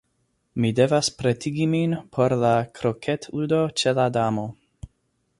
Mi devas pretigi min por la kroketludo ĉe la Damo.